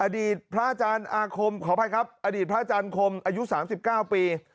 อดีตพระอาจารย์อาคมขออภัยครับอดีตพระอาจารย์คมอายุ๓๙ปี